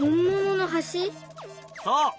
そう！